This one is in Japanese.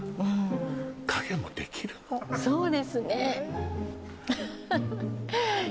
そうですねねえ